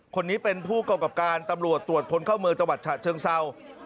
คนนี้เป็นผู้กำกับการตำรวจตรวจคนเข้าเมืองจังหวัดฉะเชิงเศร้า